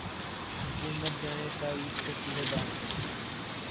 حکومتیں جائیں تاریخ کے کوڑے دان میں۔